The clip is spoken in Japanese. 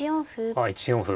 ああ１四歩。